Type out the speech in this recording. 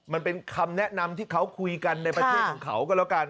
มันเป็นคำแนะนำที่เขาคุยกันในประเทศของเขาก็แล้วกัน